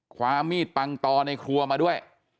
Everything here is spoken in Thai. ความมีดปังตอในครัวมาด้วย